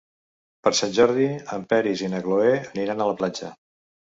Per Sant Jordi en Peris i na Cloè aniran a la platja.